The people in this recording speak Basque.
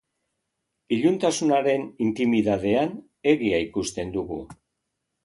Iluntasunaren intimidadean egia ikusten dugu.